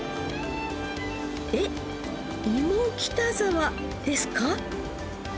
えっ「芋北沢」ですか？